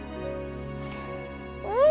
うん。